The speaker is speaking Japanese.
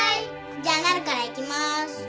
じゃあなるからいきます。